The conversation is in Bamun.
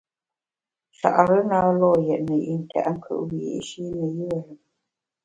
Nchare na lo’ yètne yi ntèt nkùt wiyi’shi ne yùe lùm.